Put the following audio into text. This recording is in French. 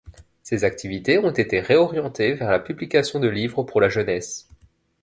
Ses activités ont été réorientées vers la publication de livres pour la jeunesse.